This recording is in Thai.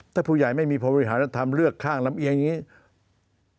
ถ้าผู้ใหญ่ไม่มีบริหารแล้วทำเลือกข้างลำเอียงอย่างนี้